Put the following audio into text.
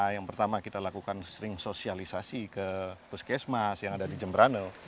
yang pertama kita lakukan sering sosialisasi ke puskesmas yang ada di jemberanel